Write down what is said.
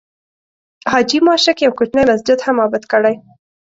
حاجي ماشک یو کوچنی مسجد هم آباد کړی.